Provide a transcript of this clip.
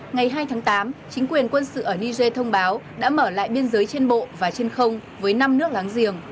ngày hai tháng tám chính quyền quân sự ở niger thông báo đã mở lại biên giới trên bộ và trên không với năm nước láng giềng